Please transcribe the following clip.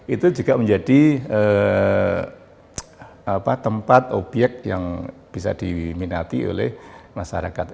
itu juga menjadi tempat obyek yang bisa diminati oleh masyarakat